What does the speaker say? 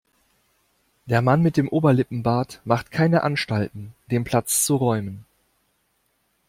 Der Mann mit Oberlippenbart macht keine Anstalten, den Platz zu räumen.